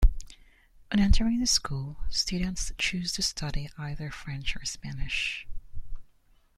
On entering the school students choose to study either French or Spanish.